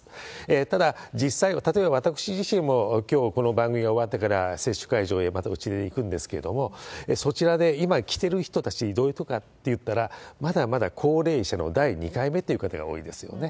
ただ実際、例えば私自身も、きょう、この番組が終わってから接種会場へまた打ちに行くんですけれども、そちらで今来てる人たち、どういう人かといったら、まだまだ高齢者の第２回目っていう方が多いですよね。